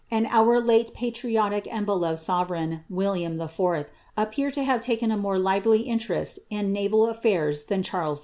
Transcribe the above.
and oorlile patriotic and beloved sovereign, William IV., appear to have taken a more lively interest in naval afBiirs than Charles II.